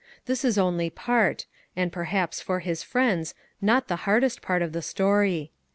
This is only part, and, perhaps, for his friends, not the hardest part of the story.